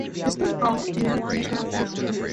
The story garnered national attention.